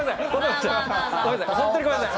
本当にごめんなさい。